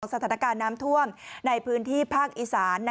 สถานการณ์น้ำท่วมในพื้นที่ภาคอีสาน